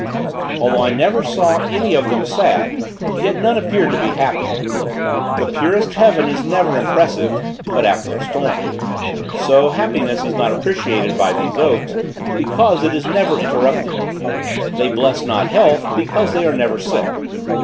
Although I never saw any of them sad, yet none appeared to be happy. The purest heaven is never impressive, but after a storm; so happiness is not appreciated by these oaks, because it is never interrupted; they bless not health, because they are never sick.